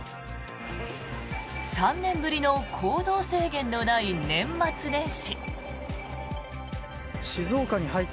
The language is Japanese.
３年ぶりの行動制限のない年末年始。